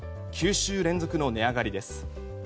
９週連続の値上がりです。